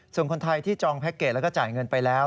ส่วนคนไทยที่จองแพ็คเกจแล้วก็จ่ายเงินไปแล้ว